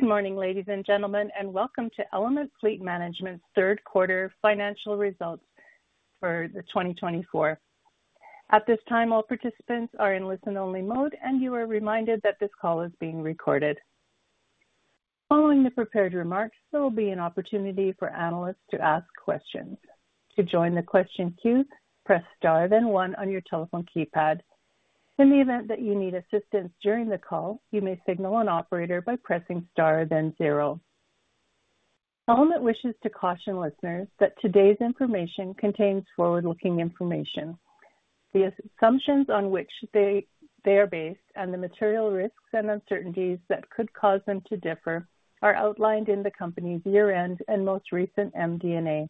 Good morning, ladies and gentlemen, and welcome to Element Fleet Management's third quarter financial results for 2024. At this time, all participants are in listen-only mode, and you are reminded that this call is being recorded. Following the prepared remarks, there will be an opportunity for analysts to ask questions. To join the question queue, press star then one on your telephone keypad. In the event that you need assistance during the call, you may signal an operator by pressing star then zero. Element wishes to caution listeners that today's information contains forward-looking information. The assumptions on which they are based and the material risks and uncertainties that could cause them to differ are outlined in the company's year-end and most recent MD&A,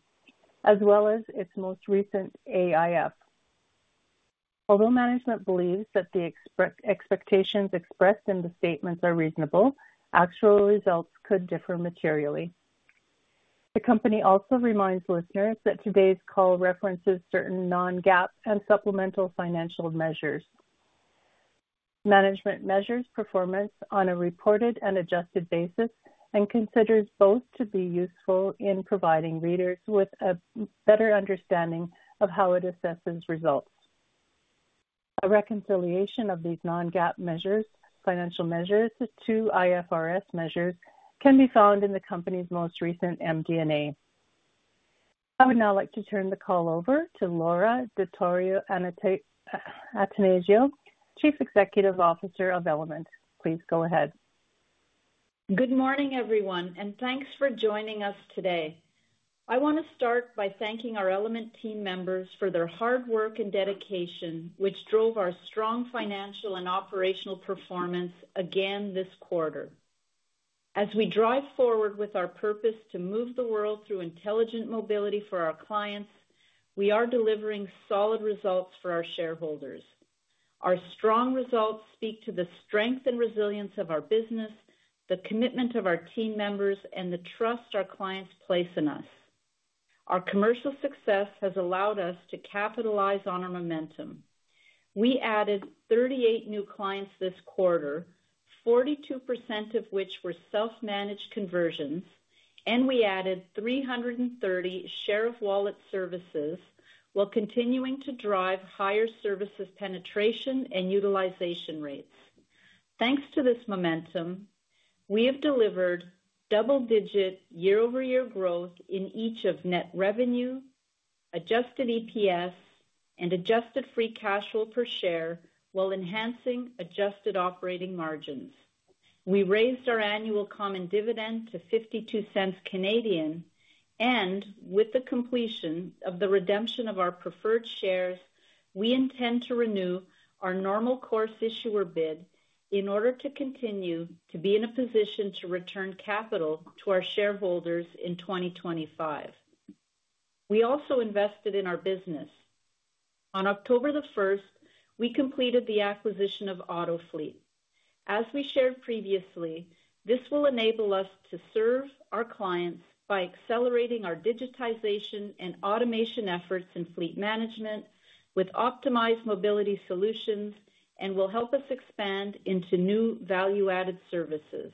as well as its most recent AIF. Although management believes that the expectations expressed in the statements are reasonable, actual results could differ materially. The company also reminds listeners that today's call references certain non-GAAP and supplemental financial measures. Management measures performance on a reported and adjusted basis and considers both to be useful in providing readers with a better understanding of how it assesses results. A reconciliation of these non-GAAP financial measures to IFRS measures can be found in the company's most recent MD&A. I would now like to turn the call over to Laura Dottori-Attanasio, Chief Executive Officer of Element. Please go ahead. Good morning, everyone, and thanks for joining us today. I want to start by thanking our Element team members for their hard work and dedication, which drove our strong financial and operational performance again this quarter. As we drive forward with our purpose to move the world through intelligent mobility for our clients, we are delivering solid results for our shareholders. Our strong results speak to the strength and resilience of our business, the commitment of our team members, and the trust our clients place in us. Our commercial success has allowed us to capitalize on our momentum. We added 38 new clients this quarter, 42% of which were self-managed conversions, and we added 330 share of wallet services, while continuing to drive higher services penetration and utilization rates. Thanks to this momentum, we have delivered double-digit year-over-year growth in each of net revenue, adjusted EPS, and adjusted free cash flow per share, while enhancing adjusted operating margins. We raised our annual common dividend to 0.52, and with the completion of the redemption of our preferred shares, we intend to renew our normal course issuer bid in order to continue to be in a position to return capital to our shareholders in 2025. We also invested in our business. On October the 1st, we completed the acquisition of Autofleet. As we shared previously, this will enable us to serve our clients by accelerating our digitization and automation efforts in fleet management with optimized mobility solutions and will help us expand into new value-added services.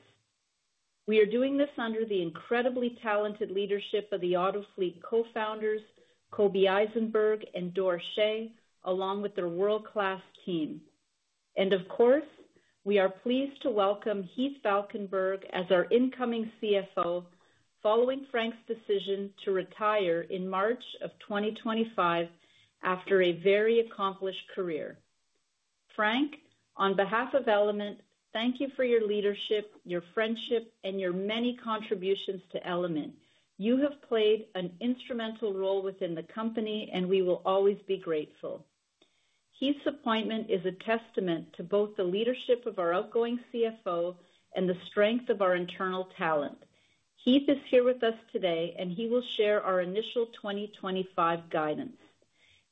We are doing this under the incredibly talented leadership of the Autofleet co-founders, Koby Eisenberg and Dor Shay, along with their world-class team. Of course, we are pleased to welcome Heath Valkenburg as our incoming CFO, following Frank's decision to retire in March of 2025 after a very accomplished career. Frank, on behalf of Element, thank you for your leadership, your friendship, and your many contributions to Element. You have played an instrumental role within the company, and we will always be grateful. Heath's appointment is a testament to both the leadership of our outgoing CFO and the strength of our internal talent. Heath is here with us today, and he will share our initial 2025 guidance.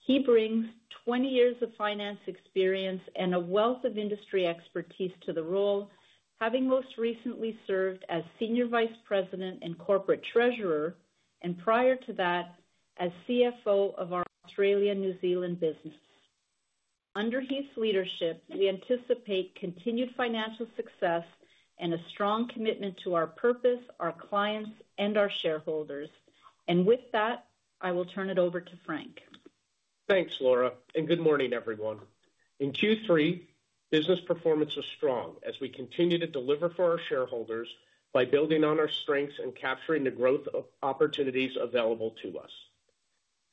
He brings 20 years of finance experience and a wealth of industry expertise to the role, having most recently served as Senior Vice President and Corporate Treasurer, and prior to that, as CFO of our Australia-New Zealand business. Under Heath's leadership, we anticipate continued financial success and a strong commitment to our purpose, our clients, and our shareholders and with that, I will turn it over to Frank. Thanks, Laura, and good morning, everyone. In Q3, business performance was strong as we continued to deliver for our shareholders by building on our strengths and capturing the growth opportunities available to us.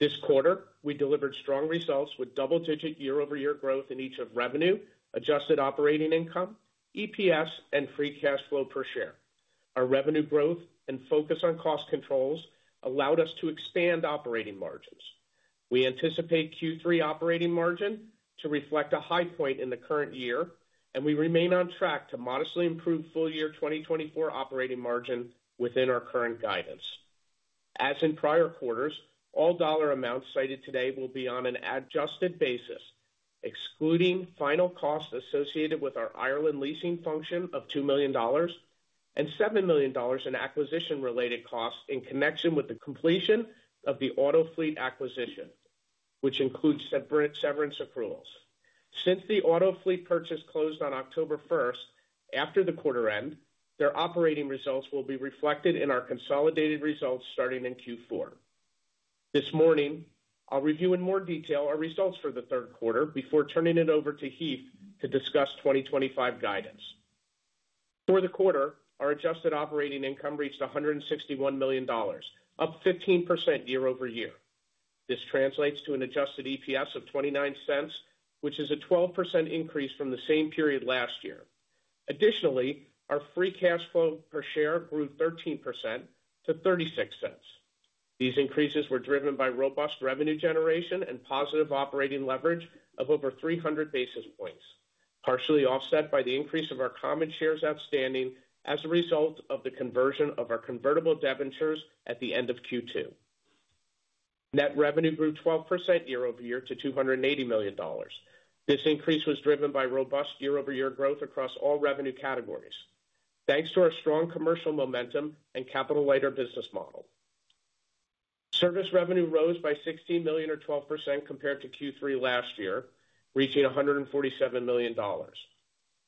This quarter, we delivered strong results with double-digit year-over-year growth in each of revenue, adjusted operating income, EPS, and free cash flow per share. Our revenue growth and focus on cost controls allowed us to expand operating margins. We anticipate Q3 operating margin to reflect a high point in the current year, and we remain on track to modestly improve full year 2024 operating margin within our current guidance. As in prior quarters, all dollar amounts cited today will be on an adjusted basis, excluding final costs associated with our Ireland leasing function of $2 million and $7 million in acquisition-related costs in connection with the completion of the Autofleet acquisition, which includes severance accruals. Since the Autofleet purchase closed on October 1st after the quarter end, their operating results will be reflected in our consolidated results starting in Q4. This morning, I'll review in more detail our results for the third quarter before turning it over to Heath to discuss 2025 guidance. For the quarter, our adjusted operating income reached 161 million dollars, up 15% year-over-year. This translates to an adjusted EPS of 0.29, which is a 12% increase from the same period last year. Additionally, our free cash flow per share grew 13% to 0.36. These increases were driven by robust revenue generation and positive operating leverage of over 300 basis points, partially offset by the increase of our common shares outstanding as a result of the conversion of our convertible debentures at the end of Q2. Net revenue grew 12% year-over-year to 280 million dollars. This increase was driven by robust year-over-year growth across all revenue categories, thanks to our strong commercial momentum and capital-lighter business model. Service revenue rose by $16 million or 12% compared to Q3 last year, reaching $147 million.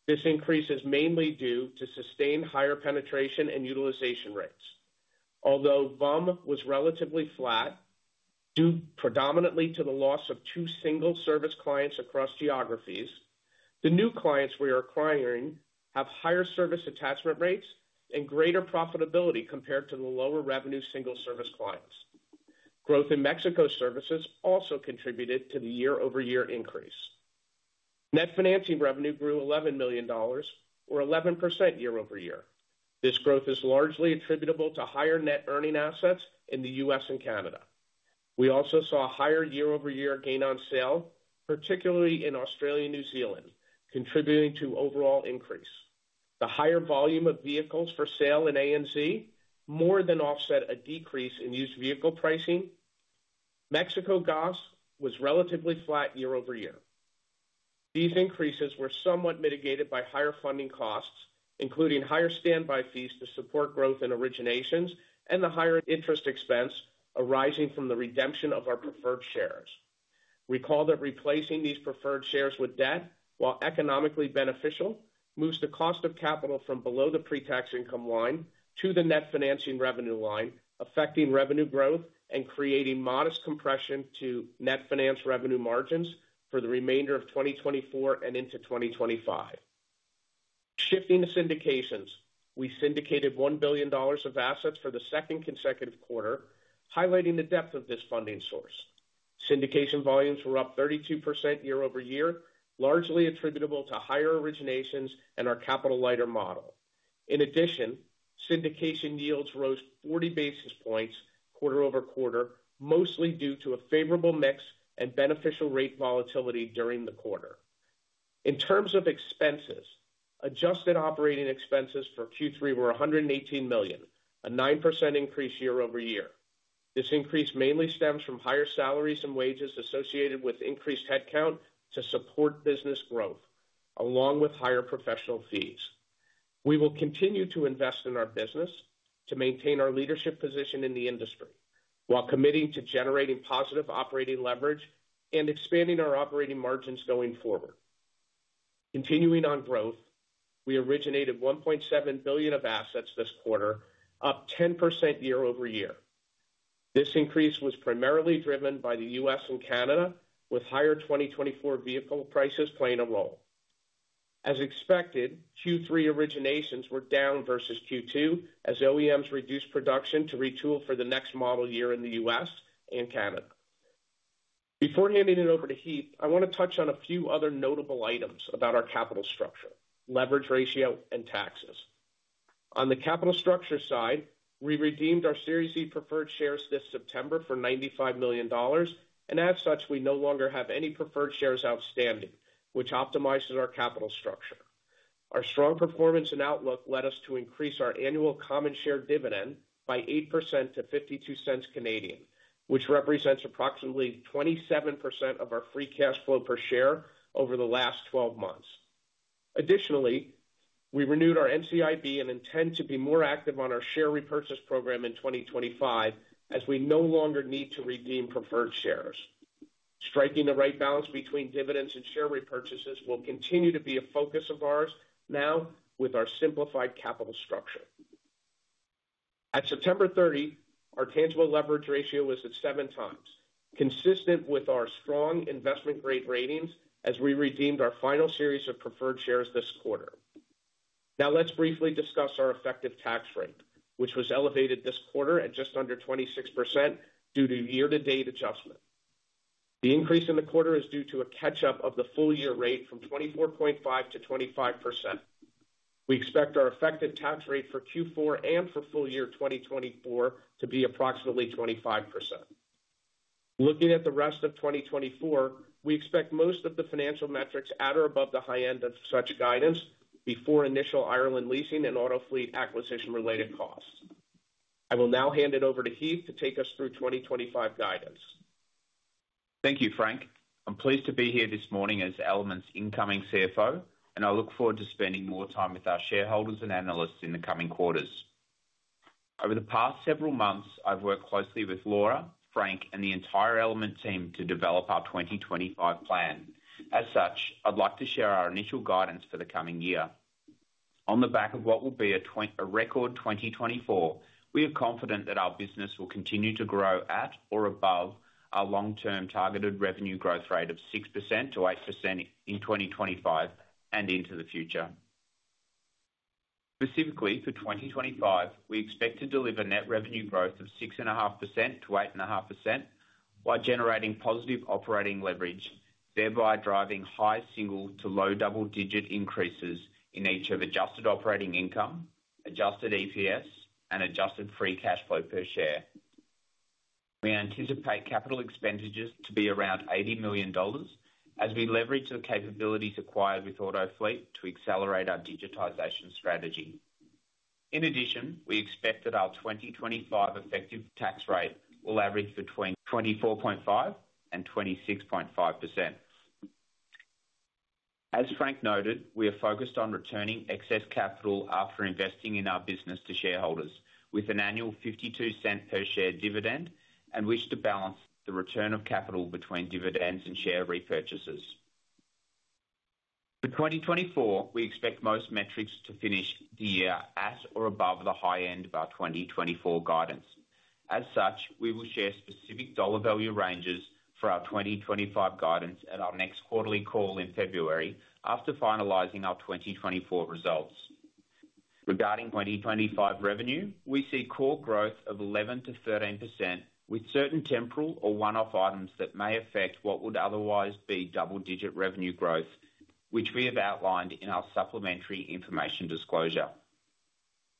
This increase is mainly due to sustained higher penetration and utilization rates. Although VUM was relatively flat due predominantly to the loss of two single service clients across geographies, the new clients we are acquiring have higher service attachment rates and greater profitability compared to the lower revenue single service clients. Growth in Mexico services also contributed to the year-over-year increase. Net financing revenue grew $11 million, or 11% year-over-year. This growth is largely attributable to higher Net Earning Assets in the U.S. and Canada. We also saw a higher year-over-year Gain on Sale, particularly in Australia and New Zealand, contributing to overall increase. The higher volume of vehicles for sale in ANZ more than offset a decrease in used vehicle pricing. Mexico GOS was relatively flat year-over-year. These increases were somewhat mitigated by higher funding costs, including higher standby fees to support growth in originations and the higher interest expense arising from the redemption of our preferred shares. Recall that replacing these preferred shares with debt, while economically beneficial, moves the cost of capital from below the pre-tax income line to the net financing revenue line, affecting revenue growth and creating modest compression to net finance revenue margins for the remainder of 2024 and into 2025. Shifting to syndications, we syndicated $1 billion of assets for the second consecutive quarter, highlighting the depth of this funding source. Syndication volumes were up 32% year-over-year, largely attributable to higher originations and our capital-lighter model. In addition, syndication yields rose 40 basis points quarter over quarter, mostly due to a favorable mix and beneficial rate volatility during the quarter. In terms of expenses, adjusted operating expenses for Q3 were $118 million, a 9% increase year-over-year. This increase mainly stems from higher salaries and wages associated with increased headcount to support business growth, along with higher professional fees. We will continue to invest in our business to maintain our leadership position in the industry, while committing to generating positive operating leverage and expanding our operating margins going forward. Continuing on growth, we originated $1.7 billion of assets this quarter, up 10% year-over-year. This increase was primarily driven by the U.S. and Canada, with higher 2024 vehicle prices playing a role. As expected, Q3 originations were down versus Q2 as OEMs reduced production to retool for the next model year in the U.S. and Canada. Before handing it over to Heath, I want to touch on a few other notable items about our capital structure, leverage ratio, and taxes. On the capital structure side, we redeemed our Series E preferred shares this September for CAD 95 million, and as such, we no longer have any preferred shares outstanding, which optimizes our capital structure. Our strong performance and outlook led us to increase our annual common share dividend by 8% to 0.52, which represents approximately 27% of our free cash flow per share over the last 12 months. Additionally, we renewed our NCIB and intend to be more active on our share repurchase program in 2025 as we no longer need to redeem preferred shares. Striking the right balance between dividends and share repurchases will continue to be a focus of ours now with our simplified capital structure. of September 30, our tangible leverage ratio was at seven times, consistent with our strong investment-grade ratings as we redeemed our final series of preferred shares this quarter. Now, let's briefly discuss our effective tax rate, which was elevated this quarter at just under 26% due to year-to-date adjustment. The increase in the quarter is due to a catch-up of the full year rate from 24.5% to 25%. We expect our effective tax rate for Q4 and for full year 2024 to be approximately 25%. Looking at the rest of 2024, we expect most of the financial metrics at or above the high end of such guidance before initial Ireland leasing and Autofleet acquisition-related costs. I will now hand it over to Heath to take us through 2025 guidance. Thank you, Frank. I'm pleased to be here this morning as Element's incoming CFO, and I look forward to spending more time with our shareholders and analysts in the coming quarters. Over the past several months, I've worked closely with Laura, Frank, and the entire Element team to develop our 2025 plan. As such, I'd like to share our initial guidance for the coming year. On the back of what will be a record 2024, we are confident that our business will continue to grow at or above our long-term targeted revenue growth rate of 6%-8% in 2025 and into the future. Specifically for 2025, we expect to deliver net revenue growth of 6.5%-8.5% while generating positive operating leverage, thereby driving high single to low double-digit increases in each of adjusted operating income, adjusted EPS, and adjusted free cash flow per share. We anticipate capital expenditures to be around $80 million as we leverage the capabilities acquired with Autofleet to accelerate our digitization strategy. In addition, we expect that our 2025 effective tax rate will average between 24.5% and 26.5%. As Frank noted, we are focused on returning excess capital after investing in our business to shareholders with an annual 0.52 per share dividend and wish to balance the return of capital between dividends and share repurchases. For 2024, we expect most metrics to finish the year at or above the high end of our 2024 guidance. As such, we will share specific dollar value ranges for our 2025 guidance at our next quarterly call in February after finalizing our 2024 results. Regarding 2025 revenue, we see core growth of 11%-13% with certain temporal or one-off items that may affect what would otherwise be double-digit revenue growth, which we have outlined in our supplementary information disclosure.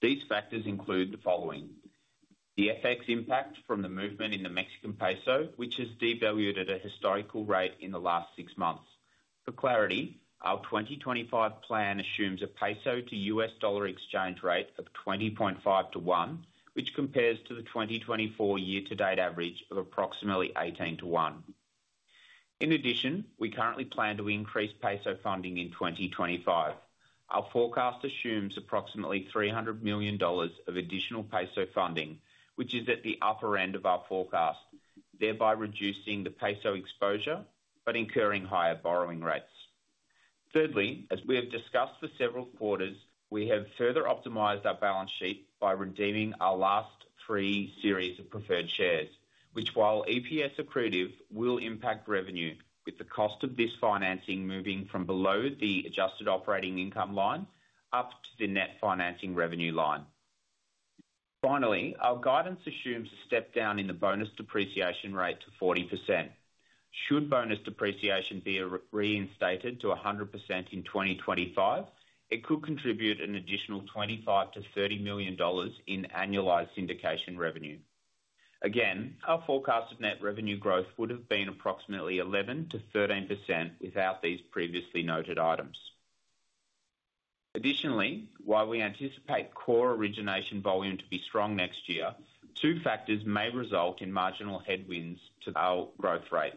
These factors include the following: the FX impact from the movement in the Mexican peso, which has devalued at a historical rate in the last six months. For clarity, our 2025 plan assumes a peso to US dollar exchange rate of 20.5-to-1, which compares to the 2024 year-to-date average of approximately 18-to-1. In addition, we currently plan to increase peso funding in 2025. Our forecast assumes approximately $300 million of additional peso funding, which is at the upper end of our forecast, thereby reducing the peso exposure but incurring higher borrowing rates. Thirdly, as we have discussed for several quarters, we have further optimized our balance sheet by redeeming our last three series of preferred shares, which, while EPS accretive, will impact revenue with the cost of this financing moving from below the adjusted operating income line up to the net financing revenue line. Finally, our guidance assumes a step down in the bonus depreciation rate to 40%. Should bonus depreciation be reinstated to 100% in 2025, it could contribute an additional $25-$30 million in annualized syndication revenue. Again, our forecast of net revenue growth would have been approximately 11%-13% without these previously noted items. Additionally, while we anticipate core origination volume to be strong next year, two factors may result in marginal headwinds to our growth rate.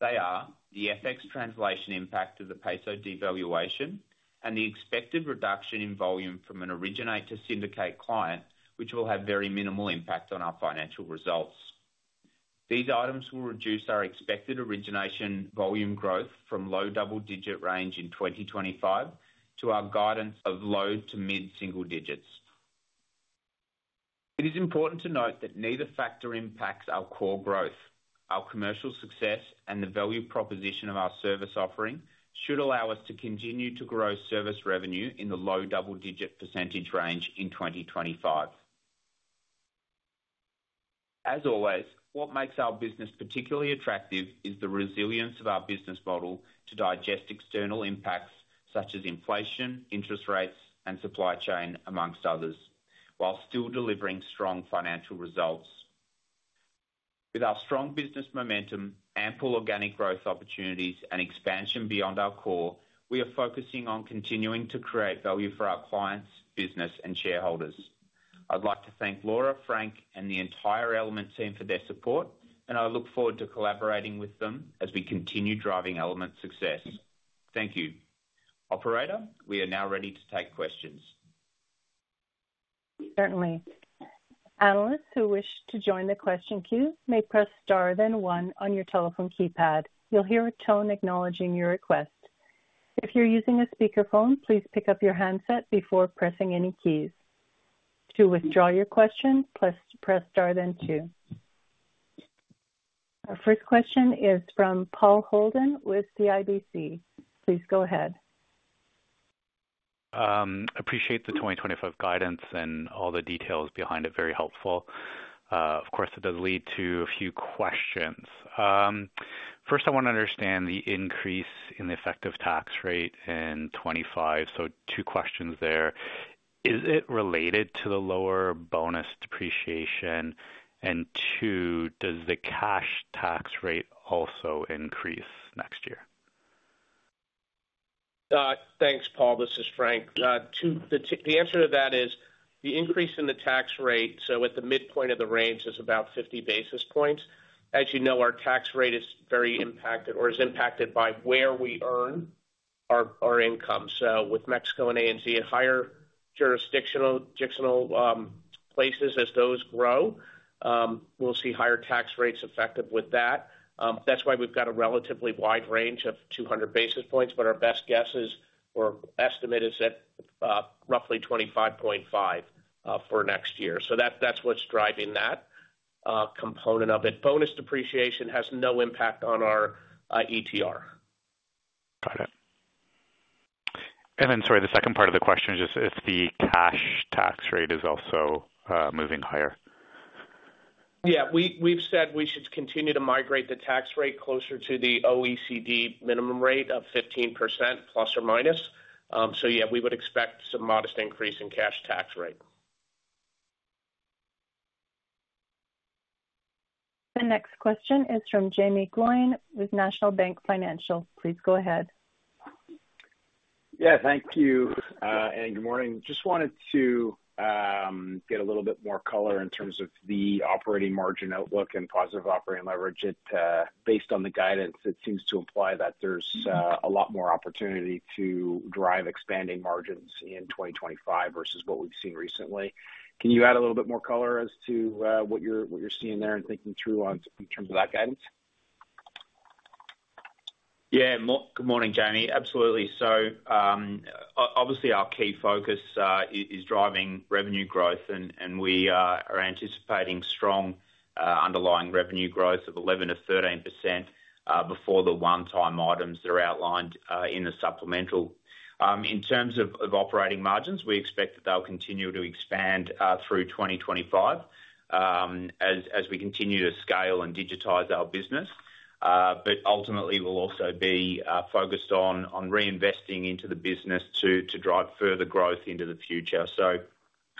They are the FX translation impact of the peso devaluation and the expected reduction in volume from an originate to syndicate client, which will have very minimal impact on our financial results. These items will reduce our expected origination volume growth from low double-digit range in 2025 to our guidance of low- to mid-single digits. It is important to note that neither factor impacts our core growth. Our commercial success and the value proposition of our service offering should allow us to continue to grow service revenue in the low double-digit % range in 2025. As always, what makes our business particularly attractive is the resilience of our business model to digest external impacts such as inflation, interest rates, and supply chain, among others, while still delivering strong financial results. With our strong business momentum, ample organic growth opportunities, and expansion beyond our core, we are focusing on continuing to create value for our clients, business, and shareholders. I'd like to thank Laura, Frank, and the entire Element team for their support, and I look forward to collaborating with them as we continue driving Element's success. Thank you. Operator, we are now ready to take questions. Certainly. Analysts who wish to join the question queue may press star then one on your telephone keypad. You'll hear a tone acknowledging your request. If you're using a speakerphone, please pick up your handset before pressing any keys. To withdraw your question, press star then two. Our first question is from Paul Holden with CIBC. Please go ahead. Appreciate the 2025 guidance and all the details behind it. Very helpful. Of course, it does lead to a few questions. First, I want to understand the increase in the effective tax rate in 2025, so two questions there. Is it related to the lower bonus depreciation, and two, does the cash tax rate also increase next year? Thanks, Paul. This is Frank. The answer to that is the increase in the tax rate, so at the midpoint of the range, is about 50 basis points. As you know, our tax rate is very impacted or is impacted by where we earn our income. So with Mexico and ANZ and higher jurisdictional places, as those grow, we'll see higher tax rates affected with that. That's why we've got a relatively wide range of 200 basis points, but our best guess is or estimate is at roughly 25.5% for next year. So that's what's driving that component of it. Bonus depreciation has no impact on our ETR. Got it. And then, sorry, the second part of the question is just if the cash tax rate is also moving higher. Yeah. We've said we should continue to migrate the tax rate closer to the OECD minimum rate of 15% plus or minus. So yeah, we would expect some modest increase in cash tax rate. The next question is from Jaeme Gloyn with National Bank Financial. Please go ahead. Yeah. Thank you. And good morning. Just wanted to get a little bit more color in terms of the operating margin outlook and positive operating leverage. Based on the guidance, it seems to imply that there's a lot more opportunity to drive expanding margins in 2025 versus what we've seen recently. Can you add a little bit more color as to what you're seeing there and thinking through in terms of that guidance? Yeah. Good morning, Jamie. Absolutely. So obviously, our key focus is driving revenue growth, and we are anticipating strong underlying revenue growth of 11%-13% before the one-time items that are outlined in the supplemental. In terms of operating margins, we expect that they'll continue to expand through 2025 as we continue to scale and digitize our business. But ultimately, we'll also be focused on reinvesting into the business to drive further growth into the future. So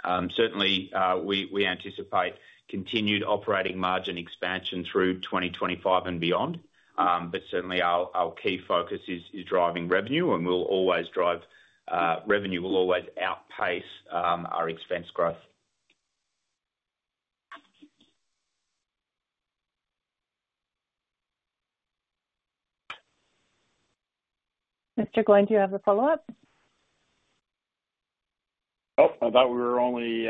certainly, we anticipate continued operating margin expansion through 2025 and beyond. But certainly, our key focus is driving revenue, and we'll always drive revenue will always outpace our expense growth. Mr. Gloyn, do you have a follow-up? Oh, I thought we were only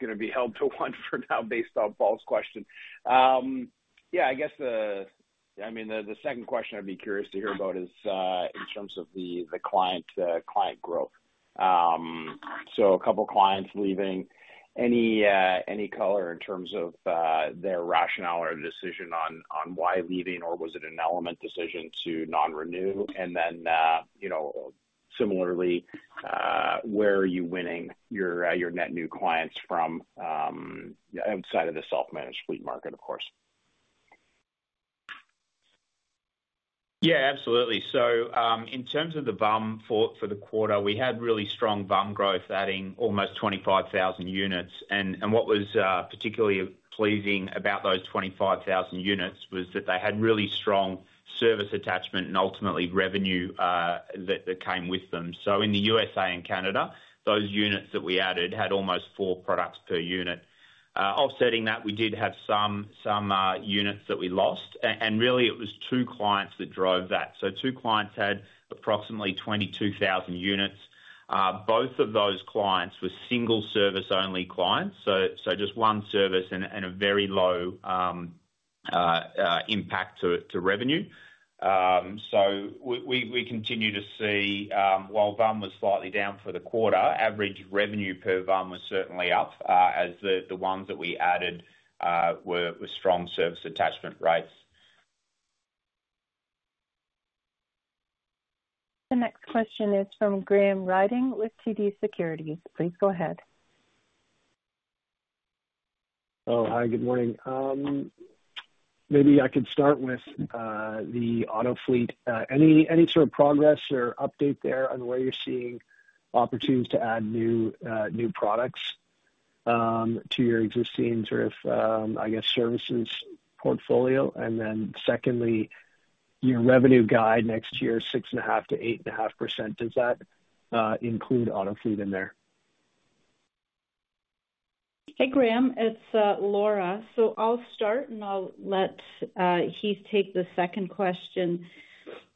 going to be held to one for now based on Paul's question. Yeah. I guess, I mean, the second question I'd be curious to hear about is in terms of the client growth. So a couple of clients leaving. Any color in terms of their rationale or decision on why leaving, or was it an Element decision to non-renew? And then similarly, where are you winning your net new clients from outside of the self-managed fleet market, of course? Yeah. Absolutely. So in terms of the VUM for the quarter, we had really strong VUM growth, adding almost 25,000 units, and what was particularly pleasing about those 25,000 units was that they had really strong service attachment and ultimately revenue that came with them. So in the USA and Canada, those units that we added had almost four products per unit. Offsetting that, we did have some units that we lost, and really, it was two clients that drove that. So two clients had approximately 22,000 units. Both of those clients were single service-only clients, so just one service and a very low impact to revenue. So we continue to see, while VUM was slightly down for the quarter, average revenue per VUM was certainly up as the ones that we added were strong service attachment rates. The next question is from Graham Ryding with TD Securities. Please go ahead. Oh, hi. Good morning. Maybe I could start with the Autofleet. Any sort of progress or update there on where you're seeing opportunities to add new products to your existing sort of, I guess, services portfolio? And then secondly, your revenue guide next year is 6.5%-8.5%. Does that include Autofleet in there? Hey, Graham. It's Laura. So I'll start, and I'll let Heath take the second question.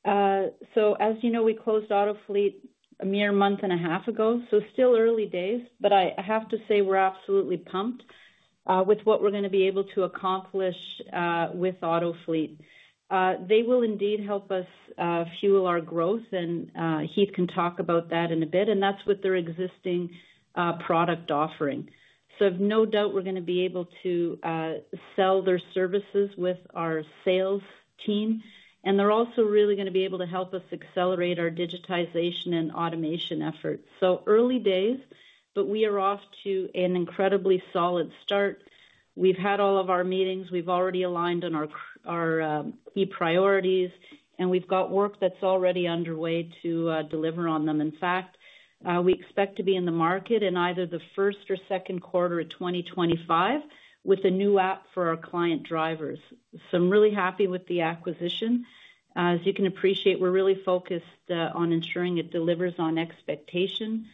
So as you know, we closed Autofleet a mere month and a half ago, so still early days. But I have to say we're absolutely pumped with what we're going to be able to accomplish with Autofleet. They will indeed help us fuel our growth, and Heath can talk about that in a bit. And that's with their existing product offering. So no doubt we're going to be able to sell their services with our sales team. And they're also really going to be able to help us accelerate our digitization and automation efforts. So early days, but we are off to an incredibly solid start. We've had all of our meetings. We've already aligned on our key priorities, and we've got work that's already underway to deliver on them. In fact, we expect to be in the market in either the first or second quarter of 2025 with a new app for our client drivers. So I'm really happy with the acquisition. As you can appreciate, we're really focused on ensuring it delivers on expectation.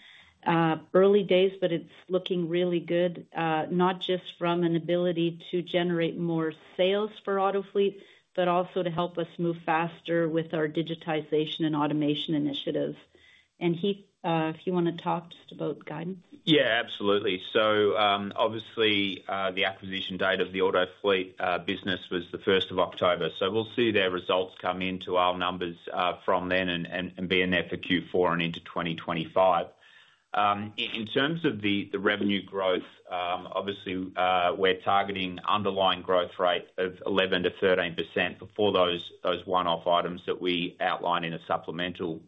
Early days, but it's looking really good, not just from an ability to generate more sales for Autofleet, but also to help us move faster with our digitization and automation initiatives. And Heath, if you want to talk just about guidance. Yeah. Absolutely. So obviously, the acquisition date of the Autofleet business was the 1st of October. So we'll see their results come into our numbers from then and be in there for Q4 and into 2025. In terms of the revenue growth, obviously, we're targeting underlying growth rate of 11%-13% for those one-off items that we outlined in a supplemental.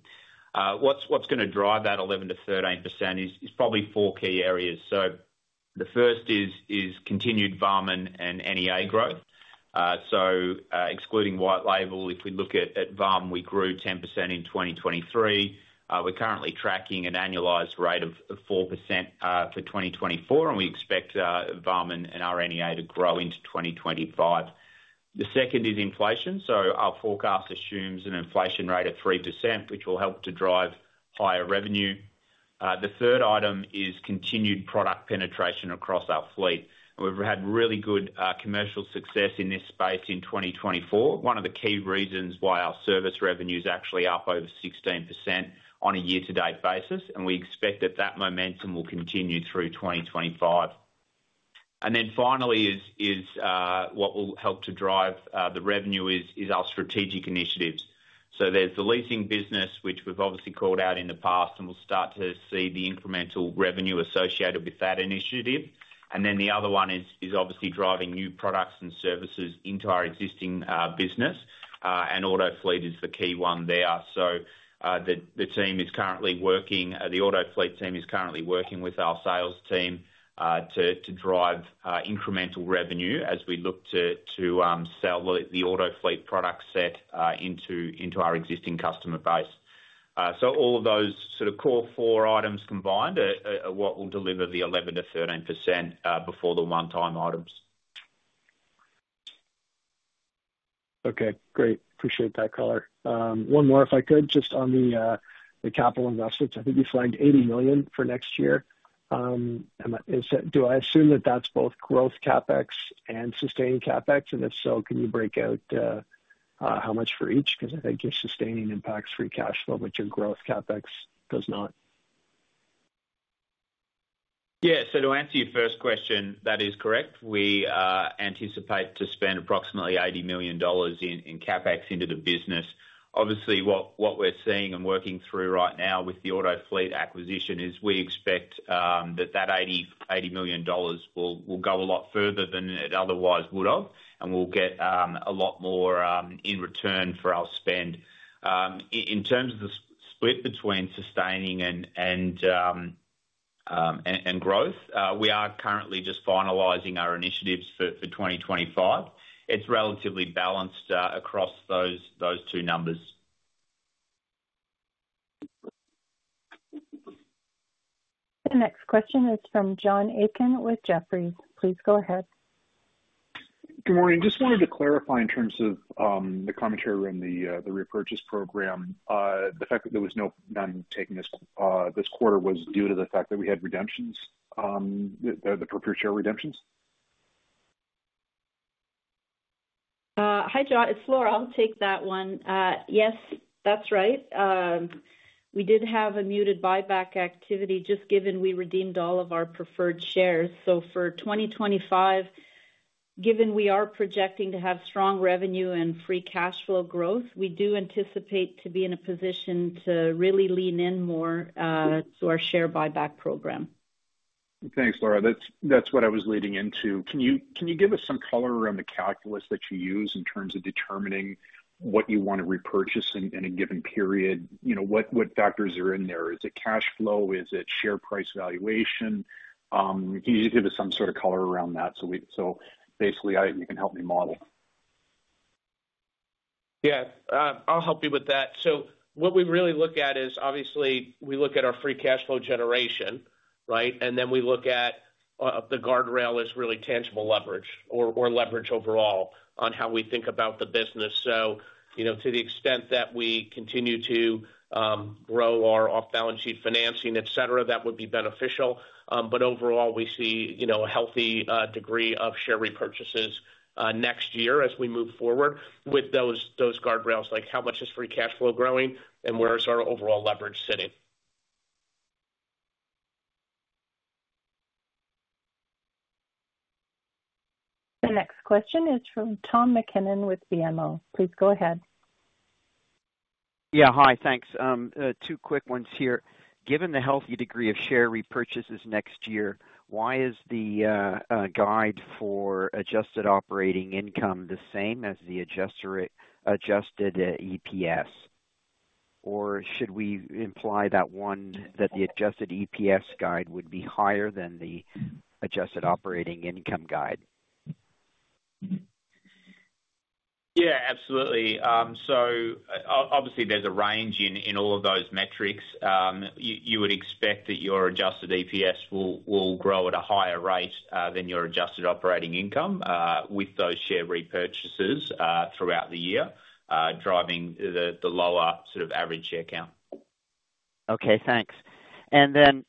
What's going to drive that 11%-13% is probably four key areas. So the first is continued VUM and NEA growth. So excluding white label, if we look at VUM, we grew 10% in 2023. We're currently tracking an annualized rate of 4% for 2024, and we expect VUM and our NEA to grow into 2025. The second is inflation. So our forecast assumes an inflation rate of 3%, which will help to drive higher revenue. The third item is continued product penetration across our fleet. We've had really good commercial success in this space in 2024, one of the key reasons why our service revenue is actually up over 16% on a year-to-date basis, and we expect that momentum will continue through 2025. Then finally, what will help to drive the revenue is our strategic initiatives, so there's the leasing business, which we've obviously called out in the past, and we'll start to see the incremental revenue associated with that initiative, and then the other one is obviously driving new products and services into our existing business, and Autofleet is the key one there, so the Autofleet team is currently working with our sales team to drive incremental revenue as we look to sell the Autofleet product set into our existing customer base. All of those sort of core four items combined are what will deliver the 11%-13% before the one-time items. Okay. Great. Appreciate that, color. One more, if I could, just on the capital investments. I think you flagged 80 million for next year. Do I assume that that's both growth CapEx and sustaining CapEx? And if so, can you break out how much for each? Because I think your sustaining impacts free cash flow, but your growth CapEx does not. Yeah. So to answer your first question, that is correct. We anticipate to spend approximately 80 million dollars in CapEx into the business. Obviously, what we're seeing and working through right now with th Autofleet aecquisition is we expect that that 80 million dollars will go a lot further than it otherwise would have, and we'll get a lot more in return for our spend. In terms of the split between sustaining and growth, we are currently just finalizing our initiatives for 2025. It's relatively balanced across those two numbers. The next question is from John Aiken with Jefferies. Please go ahead. Good morning. Just wanted to clarify in terms of the commentary on the repurchase program, the fact that there was none taken this quarter was due to the fact that we had redemptions, the preferred share redemptions? Hi, John. It's Laura. I'll take that one. Yes, that's right. We did have a muted buyback activity just given we redeemed all of our preferred shares. So for 2025, given we are projecting to have strong revenue and free cash flow growth, we do anticipate to be in a position to really lean in more to our share buyback program. Thanks, Laura. That's what I was leading into. Can you give us some color around the calculus that you use in terms of determining what you want to repurchase in a given period? What factors are in there? Is it cash flow? Is it share price valuation? Can you just give us some sort of color around that? So basically, you can help me model. Yeah. I'll help you with that. So what we really look at is, obviously, we look at our free cash flow generation, right? And then we look at the guardrail is really tangible leverage or leverage overall on how we think about the business. So to the extent that we continue to grow our off-balance sheet financing, etc., that would be beneficial. But overall, we see a healthy degree of share repurchases next year as we move forward with those guardrails, like how much is free cash flow growing, and where is our overall leverage sitting? The next question is from Tom McKinnon with BMO. Please go ahead. Yeah. Hi. Thanks. Two quick ones here. Given the healthy degree of share repurchases next year, why is the guide for adjusted operating income the same as the adjusted EPS? Or should we imply that the adjusted EPS guide would be higher than the adjusted operating income guide? Yeah. Absolutely. So obviously, there's a range in all of those metrics. You would expect that your Adjusted EPS will grow at a higher rate than your Adjusted Operating Income with those share repurchases throughout the year, driving the lower sort of average share count. Okay. Thanks. And then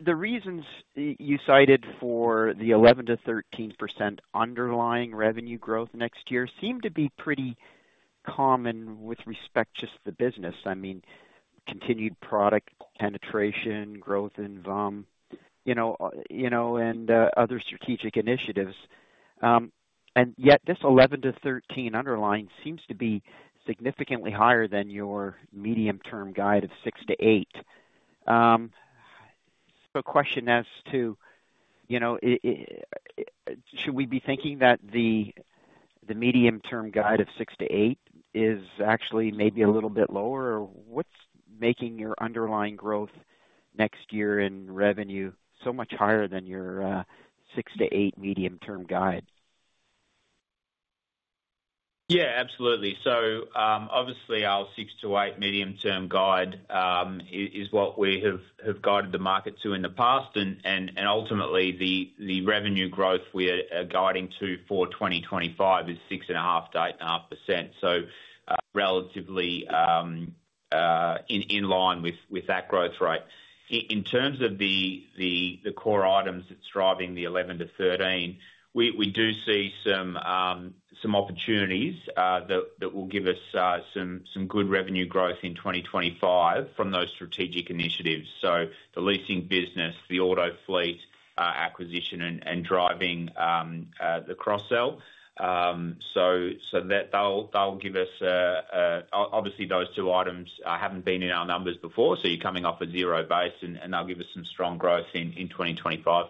the reasons you cited for the 11%-13% underlying revenue growth next year seem to be pretty common with respect to just the business. I mean, continued product penetration, growth in VUM, and other strategic initiatives. And yet, this 11%-13% underlying seems to be significantly higher than your medium-term guide of 6%-8%. So a question as to should we be thinking that the medium-term guide of 6%-8% is actually maybe a little bit lower? Or what's making your underlying growth next year in revenue so much higher than your 6%-8% medium-term guide? Yeah. Absolutely. So obviously, our 6%-8% medium-term guide is what we have guided the market to in the past. And ultimately, the revenue growth we are guiding to for 2025 is 6.5%-8.5%, so relatively in line with that growth rate. In terms of the core items that's driving the 11%-13%, we do see some opportunities that will give us some good revenue growth in 2025 from those strategic initiatives. So the leasing business, the Autofleet acquisition, and driving the cross-sell. So they'll give us obviously, those two items haven't been in our numbers before. So you're coming off a zero base, and they'll give us some strong growth in 2025.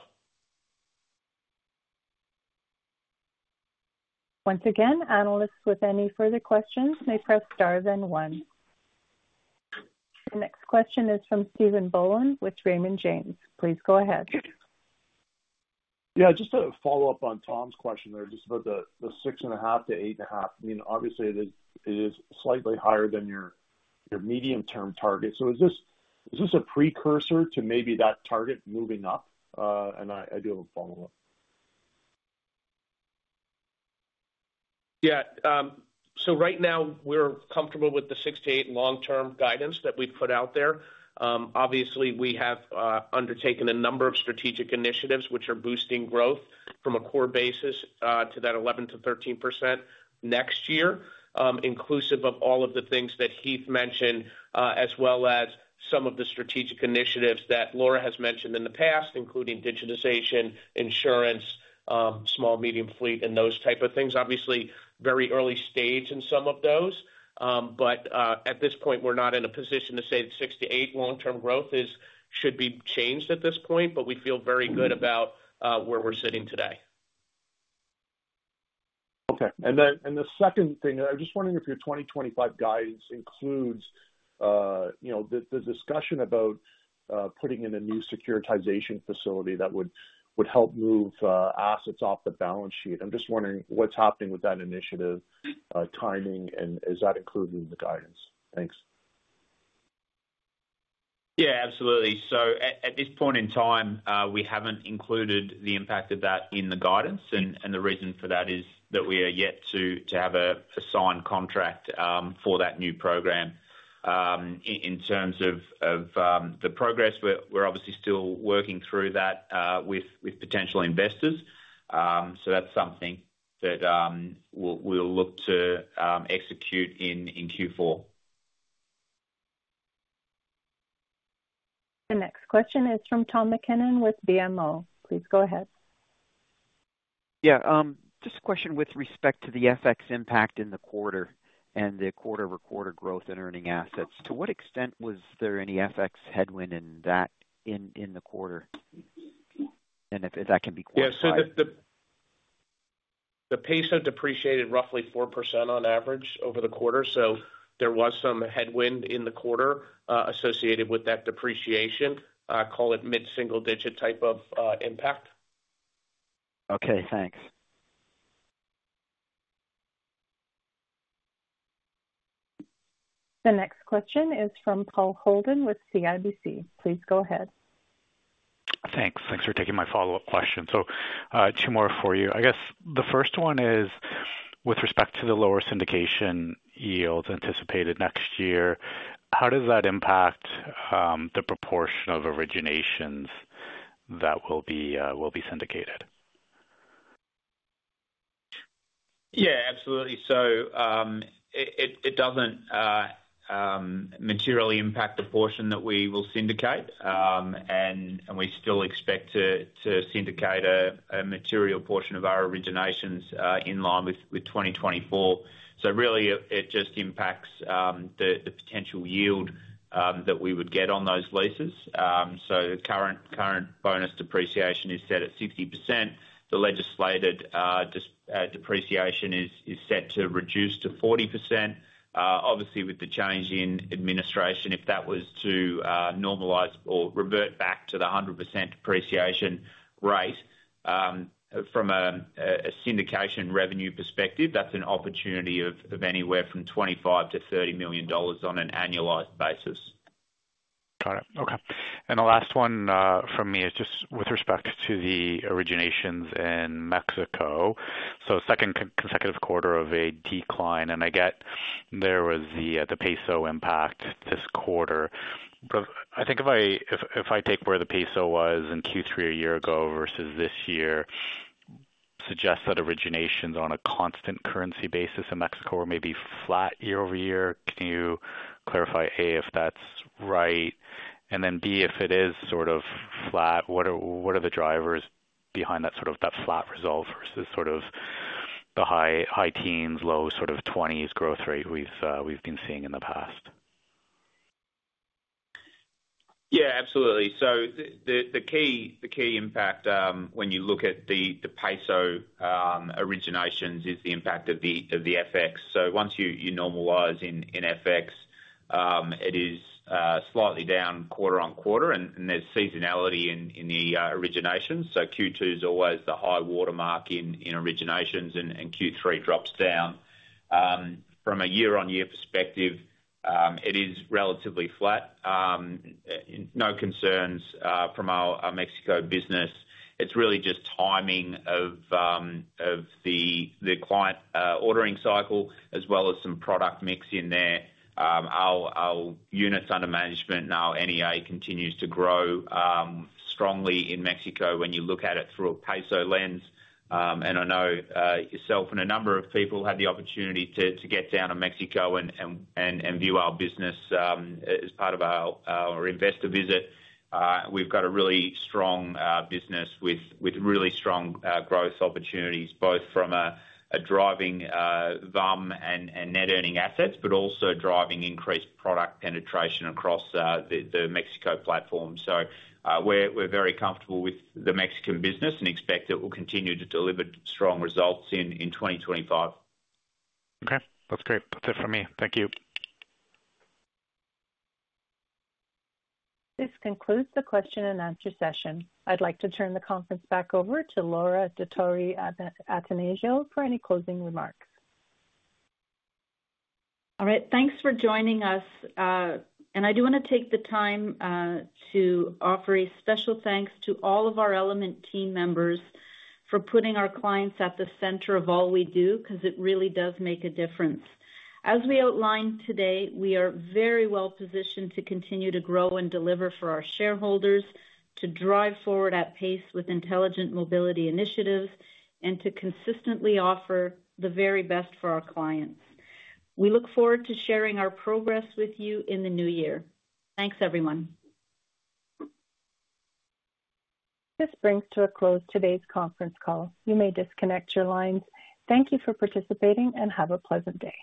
Once again, analysts, with any further questions, may press star then one. The next question is from Steve Boland with Raymond James. Please go ahead. Yeah. Just to follow up on Tom's question there, just about the 6.5%-8.5%, I mean, obviously, it is slightly higher than your medium-term target. So is this a precursor to maybe that target moving up? And I do have a follow-up. Yeah. So right now, we're comfortable with the 6%-8% long-term guidance that we've put out there. Obviously, we have undertaken a number of strategic initiatives which are boosting growth from a core basis to that 11%-13% next year, inclusive of all of the things that Heath mentioned, as well as some of the strategic initiatives that Laura has mentioned in the past, including digitization, insurance, small, medium fleet, and those types of things. Obviously, very early stage in some of those. But at this point, we're not in a position to say that 6%-8% long-term growth should be changed at this point, but we feel very good about where we're sitting today. Okay. And the second thing, I'm just wondering if your 2025 guidance includes the discussion about putting in a new securitization facility that would help move assets off the balance sheet. I'm just wondering what's happening with that initiative timing, and is that included in the guidance? Thanks. Yeah. Absolutely. So at this point in time, we haven't included the impact of that in the guidance. And the reason for that is that we are yet to have a signed contract for that new program. In terms of the progress, we're obviously still working through that with potential investors. So that's something that we'll look to execute in Q4. The next question is from Tom McKinnon with BMO. Please go ahead. Yeah. Just a question with respect to the FX impact in the quarter and the quarter-over-quarter growth in earning assets. To what extent was there any FX headwind in that in the quarter? And if that can be clarified? Yeah. So the peso depreciated roughly 4% on average over the quarter. So there was some headwind in the quarter associated with that depreciation, call it mid-single-digit type of impact. Okay. Thanks. The next question is from Paul Holden with CIBC. Please go ahead. Thanks. Thanks for taking my follow-up question. So two more for you. I guess the first one is with respect to the lower syndication yields anticipated next year, how does that impact the proportion of originations that will be syndicated? Yeah. Absolutely, so it doesn't materially impact the portion that we will syndicate, and we still expect to syndicate a material portion of our originations in line with 2024. So really, it just impacts the potential yield that we would get on those leases, so the current bonus depreciation is set at 60%. The legislated depreciation is set to reduce to 40%. Obviously, with the change in administration, if that was to normalize or revert back to the 100% depreciation rate from a syndication revenue perspective, that's an opportunity of anywhere from $25-$30 million on an annualized basis. Got it. Okay. And the last one from me is just with respect to the originations in Mexico. So second consecutive quarter of a decline. And I get there was the peso impact this quarter. But I think if I take where the peso was in Q3 a year ago versus this year, suggests that originations on a constant currency basis in Mexico are maybe flat year over year. Can you clarify, A, if that's right? And then B, if it is sort of flat, what are the drivers behind that sort of flat result versus sort of the high teens, low sort of 20s growth rate we've been seeing in the past? Yeah. Absolutely. So the key impact when you look at the peso originations is the impact of the FX. So once you normalize in FX, it is slightly down quarter on quarter, and there's seasonality in the originations. So Q2 is always the high watermark in originations, and Q3 drops down. From a year-on-year perspective, it is relatively flat. No concerns from our Mexico business. It's really just timing of the client ordering cycle as well as some product mix in there. Our units under management and our NEA continues to grow strongly in Mexico when you look at it through a peso lens. And I know yourself and a number of people had the opportunity to get down to Mexico and view our business as part of our investor visit. We've got a really strong business with really strong growth opportunities, both from a driving VUM and net earning assets, but also driving increased product penetration across the Mexico platform. So we're very comfortable with the Mexican business and expect that we'll continue to deliver strong results in 2025. Okay. That's great. That's it from me. Thank you. This concludes the question and answer session. I'd like to turn the conference back over to Laura Dottori-Attanasio for any closing remarks. All right. Thanks for joining us, and I do want to take the time to offer a special thanks to all of our Element team members for putting our clients at the center of all we do because it really does make a difference. As we outlined today, we are very well positioned to continue to grow and deliver for our shareholders, to drive forward at pace with intelligent mobility initiatives, and to consistently offer the very best for our clients. We look forward to sharing our progress with you in the new year. Thanks, everyone. This brings to a close today's conference call. You may disconnect your lines. Thank you for participating and have a pleasant day.